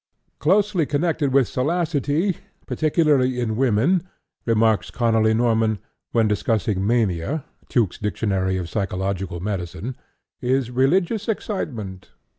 " "Closely connected with salacity, particularly in women," remarks Conolly Norman, when discussing mania (Tuke's Dictionary of Psychological Medicine), "is religious excitement....